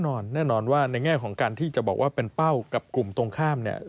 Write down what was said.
แน่นอนแน่นอนว่าในแง่ของการที่จะบอกว่าเป็นเป้ากับกลุ่มตรงข้ามเนี่ย